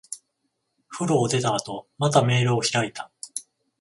風呂を出た後、またメールを開いた。